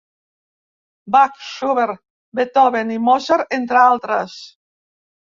Bach, Schubert, Beethoven i Mozart entre altres.